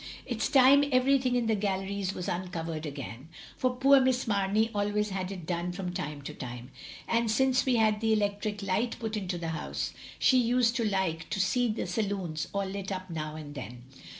It 's time eveiything in the galleries was tincovered again, for poor Miss Mamey always had it done from time to time; and since we had the electric light put into the house, she used to like to see the saloons all lit up now and then.